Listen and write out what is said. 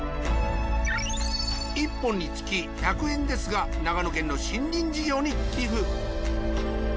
１本につき１００円ですが長野県の森林事業に寄付。